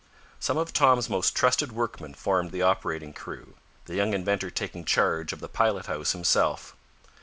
Some of Tom's most trusted workmen formed the operating crew, the young inventor taking charge of the pilot house himself.